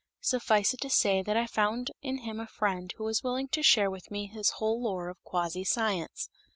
Suffice it to say that I found in him a friend who was willing to share with me his whole lore of quasi science.